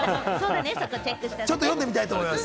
ちょっと読んでみたいと思います。